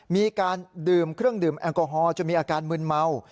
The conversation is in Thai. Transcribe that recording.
มีการดื่มเครื่องดื่มแอลกอฮอลจนมีอาการมืนเมา